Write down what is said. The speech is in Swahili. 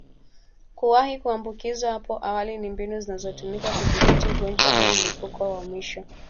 kuwahi kuambukizwa hapo awali na mbinu zinazotumika kuudhibiti ugonjwa huu Mlipuko wa mwisho